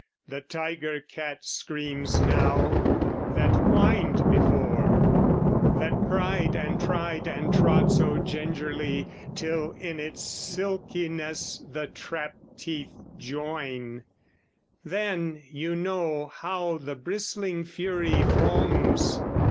The tiger cat screams now, that whined before, That pried and tried and trod so gingerly, Till in its silkiness the trap teeth join; Then you know how the bristling fury foams.